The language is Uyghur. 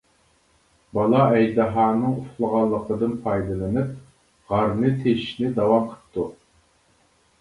بالا ئەجدىھانىڭ ئۇخلىغانلىقىدىن پايدىلىنىپ، غارنى تېشىشنى داۋام قىپتۇ.